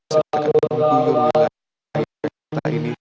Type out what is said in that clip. saya tidak akan menguyur nilai kata ini